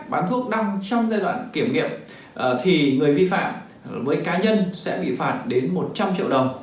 bán thuốc đăng trong giai đoạn kiểm nghiệm thì người vi phạm với cá nhân sẽ bị phạt đến một trăm linh triệu đồng